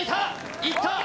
いった。